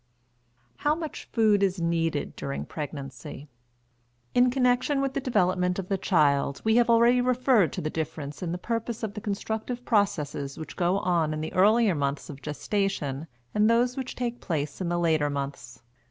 HOW MUCH FOOD IS NEEDED DURING PREGNANCY? In connection with the development of the child we have already referred to the difference in the purpose of the constructive processes which go on in the earlier months of gestation and those which take place in the later months.